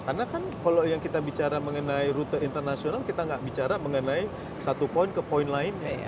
karena kan kalau yang kita bicara mengenai rute internasional kita nggak bicara mengenai satu poin ke poin lain